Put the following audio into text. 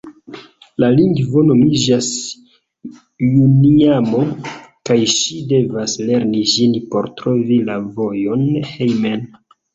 La lingvo nomiĝas Juliamo, kaj ŝi devas lerni ĝin por trovi la vojon hejmen.